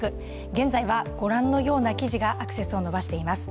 現在はご覧のような記事がアクセスを伸ばしています。